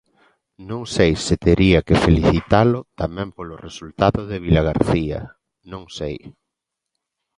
Non sei se tería que felicitalo tamén polo resultado de Vilagarcía, non sei.